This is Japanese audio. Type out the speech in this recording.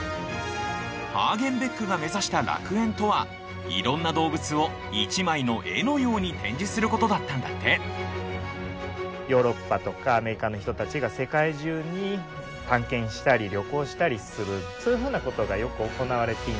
ハーゲンベックが目指した「楽園」とはいろんな動物を一枚の絵のように展示することだったんだってヨーロッパとかアメリカの人たちが世界中に探検したり旅行したりするそういうふうなことがよく行われていました。